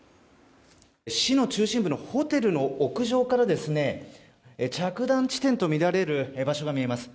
市の中心部のホテルの屋上から着弾地点とみられる場所が見えます。